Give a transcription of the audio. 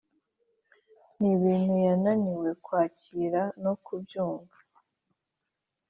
nibintu yananiwe kwakira nokubyumva.